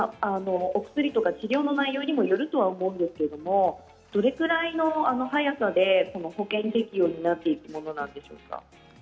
お薬や治療の内容によると思うんですけれどもどれくらいの速さで保険適用になっていくものなんでしょうか。